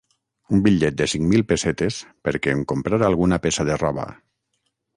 Un bitllet de cinc mil pessetes perquè em comprara alguna peça de roba.